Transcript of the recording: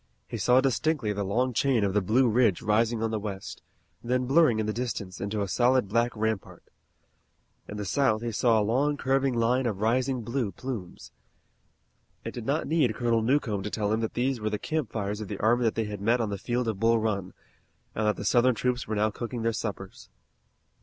He saw distinctly the long chain of the Blue Ridge rising on the west, then blurring in the distance into a solid black rampart. In the south he saw a long curving line of rising blue plumes. It did not need Colonel Newcomb to tell him that these were the campfires of the army that they had met on the field of Bull Run, and that the Southern troops were now cooking their suppers.